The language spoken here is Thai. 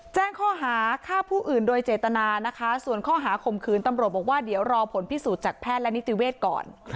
แจ้งข้อหาฆ่าผู้อื่นโดยเจตนานะคะส่วนข้อหาข่มขืนตำรวจบอกว่าเดี๋ยวรอผลพิสูจน์จากแพทย์และนิติเวศก่อน